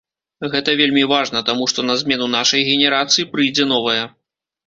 Гэта вельмі важна, таму што на змену нашай генерацыі прыйдзе новая.